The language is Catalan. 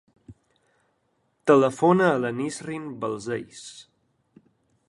Telefona a la Nisrin Balsells.